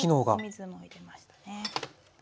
お水も入れましたね。